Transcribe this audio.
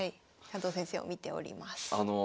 加藤先生を見ております。